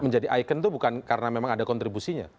menjadi ikon itu bukan karena memang ada kontribusinya